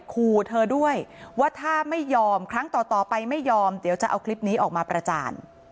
ขู่เธอด้วยว่าถ้าไม่ยอมครั้งต่อไปไม่ยอมเดี๋ยวจะเอาคลิปนี้ออกมาประจาน